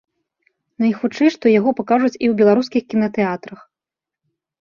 Найхутчэй, што яго пакажуць і ў беларускіх кінатэатрах.